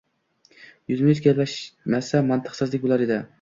Yuzma-yuz gaplashilmasa, mantiqsizlik boʻlar edi.